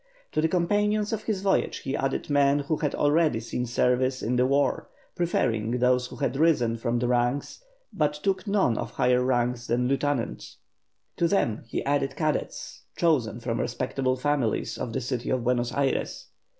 To the companions of his voyage he added men who had already seen service in the war, preferring those who had risen from the ranks, but took none of higher rank than lieutenant. To them he added cadets, chosen from respectable families of the city of Buenos Ayres.